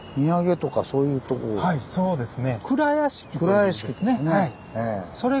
はいそうですね。